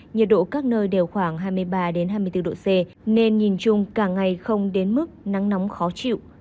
nhiệt độ các nơi đều khoảng hai mươi ba hai mươi bốn độ c nên nhìn chung cả ngày không đến mức nắng nóng khó chịu